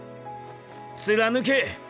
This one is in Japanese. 貫け。